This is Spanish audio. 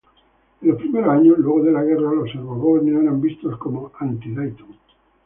En los primeros años luego de la Guerra, los serbobosnios eran vistos como "anti-Dayton".